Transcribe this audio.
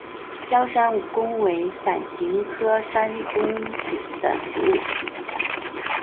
鞘山芎为伞形科山芎属的植物。